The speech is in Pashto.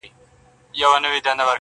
تر قیامته ورته نه سم ټینګېدلای!.